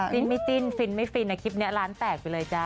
จิ้นไม่จิ้นฟินไม่ฟินนะคลิปนี้ร้านแตกไปเลยจ้า